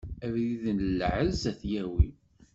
Abrid n lɛezz ad t-yawi.